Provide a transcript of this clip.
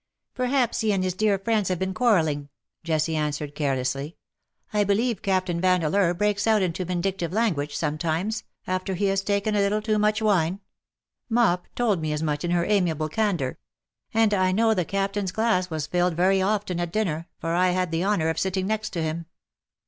" Perhaps he and his dear friends have been quarrelling/^ Jessie answered, carelessly. " I believe Captain Vandeleur breaks out into vindictive language, sometimes, after he has taken a little too much wine : Mop told me as much in her amiable candour. And I know the Captain^s glass was filled very often at dinner, for I had the honour of sitting next him."